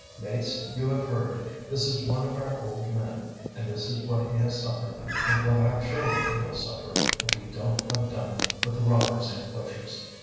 "Mates, you have heard; this is one of our old men, and this is what he has suffered, and what our children will suffer if we don't have done with the robbers and butchers."